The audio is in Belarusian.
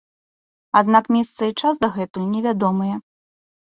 Аднак месца і час дагэтуль невядомыя.